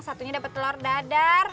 satunya dapet telur dadar